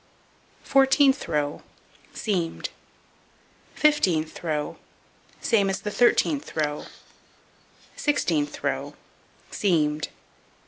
Fourteenth row: Seamed. Fifteenth row: Same as the 13th row. Sixteenth row: Seamed.